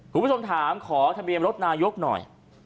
คุณผู้ชมถามขอทะเบียนรถนายกหน่อย